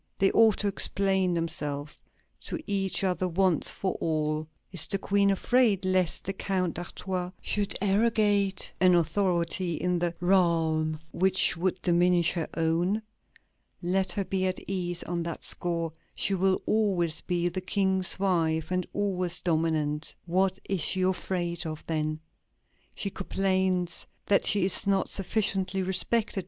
They ought to explain themselves to each other once for all. Is the Queen afraid lest the Count d'Artois should arrogate an authority in the realm which would diminish her own? Let her be at ease on that score; she will always be the King's wife and always dominant. What is she afraid of, then? She complains that she is not sufficiently respected.